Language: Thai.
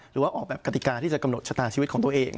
หรือว่าออกแบบกติกาที่จะกำหนดชะตาชีวิตของตัวเอง